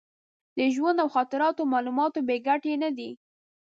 د ژوند او خاطراتو معلومات بې ګټې نه دي.